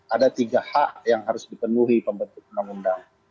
ada tiga hak yang harus dipenuhi pembentukan undang